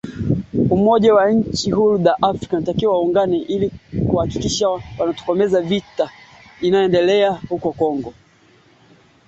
ili kusaidia kupambana na kundi la waasi lenye vurugu linalojulikana kama